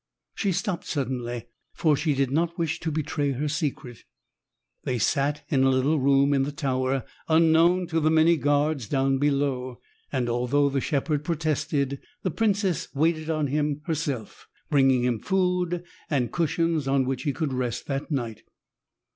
She stopped suddenly, for she did not wish to betray her secret. They sat in a little room in the tower, unknown to the many guards down below, and, although the shepherd protested, the princess waited on him herself, bringing him food, and cushions on which he could rest that night.